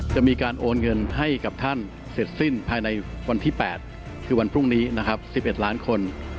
มีการโอนเงินให้กับท่านเสร็จสิ้นภายในวันที่๘คือวันพรุ่งนี้นะครับ๑๑ล้านคน